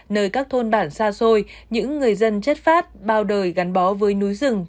nơi các thôn bản xa xôi những người dân chất phát bao đời gắn bó với núi rừng